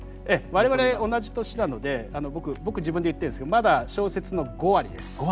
ええ我々同じ年なので僕自分で言ってるんですけどまだ小説の５割です。